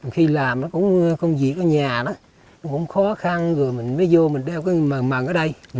khi làm nó cũng công việc ở nhà nó cũng khó khăn rồi mình mới vô mình đeo cái mầm mần ở đây